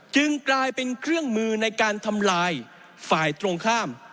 กลายเป็นเครื่องมือในการทำลายฝ่ายตรงข้าม